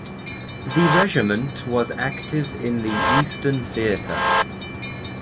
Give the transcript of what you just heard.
The regiment was active in the Eastern Theater.